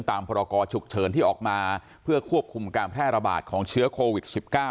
พรกรฉุกเฉินที่ออกมาเพื่อควบคุมการแพร่ระบาดของเชื้อโควิด๑๙